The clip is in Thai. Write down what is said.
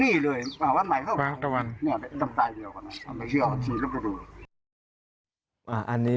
นี่เลยวันใหม่ก็ประหว่างตอนนี้